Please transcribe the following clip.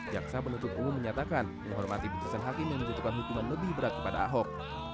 jaksa penuntut umum menyatakan menghormati putusan hakim yang menjatuhkan hukuman lebih berat kepada ahok